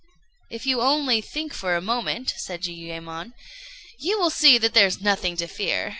"If you only think for a moment," said Jiuyémon, "you will see that there is nothing to fear.